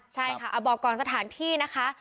ใช่ค่ะบอกก่อนสถานที่นะคะ